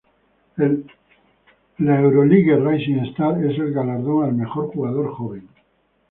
El Euroleague Rising Star es el galardón al "mejor jugador joven".